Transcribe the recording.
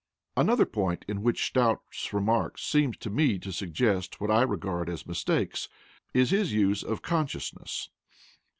Another point in which Stout's remarks seem to me to suggest what I regard as mistakes is his use of "consciousness."